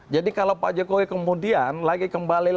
jadi kalau pak jk kemudian lagi kembali